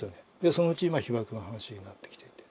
そのうち被爆の話になってきて。